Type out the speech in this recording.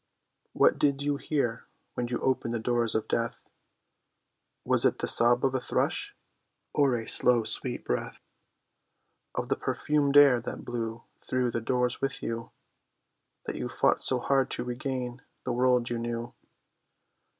What did you hear when you opened the doors of death? Was it the sob of a thrush, or a slow sweet breath Of the perfumed air that blew through the doors with you, That you fought so hard to regain the world you knew?